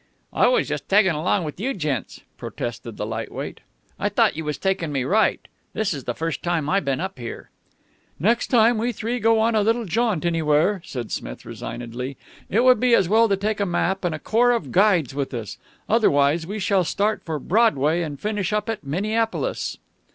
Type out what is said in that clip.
"I was just taggin' along with you gents," protested the light weight. "I thought you was taking me right. This is the first time I been up here." "Next time we three go on a little jaunt anywhere," said Smith resignedly, "it would be as well to take a map and a corps of guides with us. Otherwise we shall start for Broadway and finish up at Minneapolis."